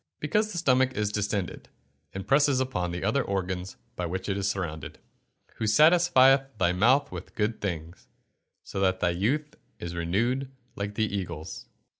_ Because the stomach is distended, and presses upon the other organs by which it is surrounded. [Verse: "Who satisfieth thy mouth with good things; so that thy youth is renewed like the eagles."